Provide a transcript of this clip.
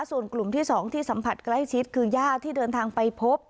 ส่วนกลุ่มที่๒ที่สัมผัสใกล้ชิดคือญาติที่เดินทางไปพบ